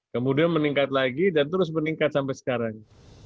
kemudian meningkat lagi dan terus meningkat sampai sekarang